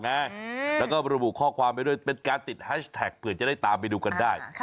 แล้วก็ระบุข้อความไปด้วยเป็นการติดแฮชแท็กเผื่อจะได้ตามไปดูกันได้